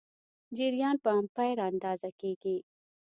جریان په امپیر اندازه کېږي.